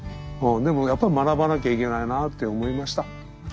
でもやっぱり学ばなきゃいけないなって思いました。